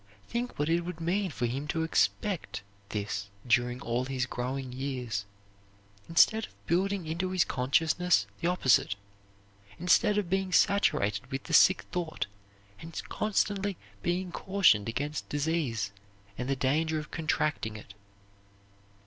Think what it would mean for him to expect this during all his growing years, instead of building into his consciousness the opposite, instead of being saturated with the sick thought and constantly being cautioned against disease and the danger of contracting it!